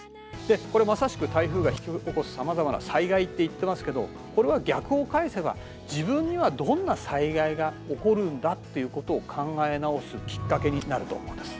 これまさしく台風が引き起こすさまざまな災害って言ってますけどこれは逆を返せば自分にはどんな災害が起こるんだっていうことを考え直すきっかけになると思うんです。